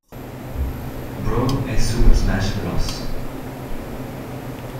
Brawl" e "Super Smash Bros.